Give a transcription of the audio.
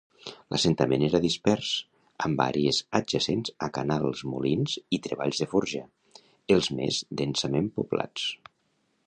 L'assentament era dispers, amb àrees adjacents a canals, molins i treballs de forja, els més densament poblats.